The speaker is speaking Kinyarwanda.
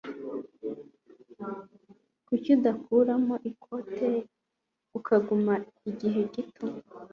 Kuki udakuramo ikote ukagumaho igihe gito?